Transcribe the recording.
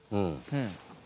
うん。